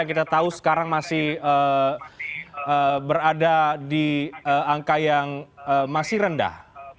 yang kita tahu sekarang masih berada di angka yang masih rendah